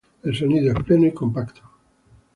El sonido es pleno y compacto.